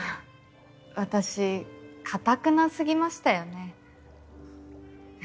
私かたくなすぎましたよね。